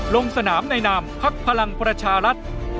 ลงสนามในนามพักพลังประชารัฐ